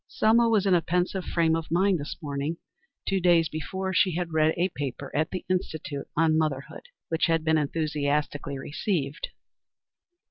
Selma was in a pensive frame of mind this morning. Two days before she had read a paper at the Institute on "Motherhood," which had been enthusiastically received.